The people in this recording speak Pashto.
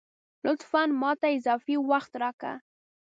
لطفاً ! ماته اضافي وخت راکه